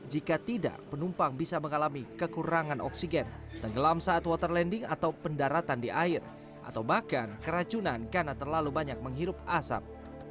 jika tidak penumpang bisa mengalami kekurangan oksigen tenggelam saat water landing atau pendaratan di air atau bahkan keracunan karena terlalu banyak menghirup asap